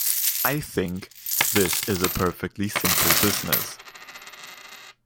I think this is a perfectly simple business.